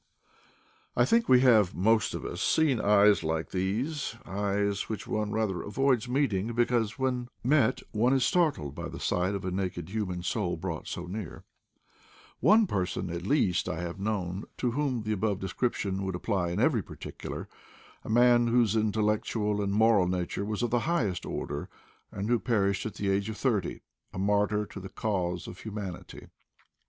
I think we have, most of us, seen eyes like these — eyes which one rather avoids meeting, because when met one is startled by the sight of a naked human soul brought so near. One person, at least, 198 IDLE DAYS IN PATAGONIA! I have known to whom the above description would apply in every particular; a man whose intellec tual and moral nature was of the highest order, /and who perished at the age of thirty, a martyr to the cause of humanity.